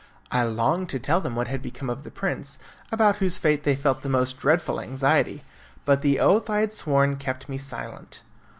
I longed to tell them what had become of the prince, about whose fate they felt the most dreadful anxiety, but the oath I had sworn kept me silent.